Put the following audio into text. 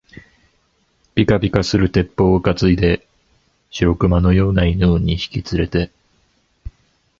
ぴかぴかする鉄砲をかついで、白熊のような犬を二匹つれて、